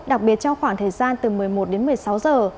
đặc biệt trong khoảng thời gian từ một mươi một đến một mươi sáu giờ